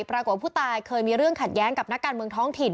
ปรากฏผู้ตายเคยมีเรื่องขัดแย้งกับนักการเมืองท้องถิ่น